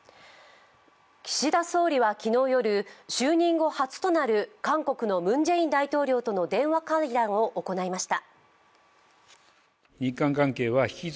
岸田総理は昨日夜、就任後、初となる韓国のムン・ジェイン大統領との電話会談を行いました。